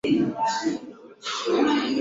walitawala hapa Nchi ya kihistoria ya Waturuki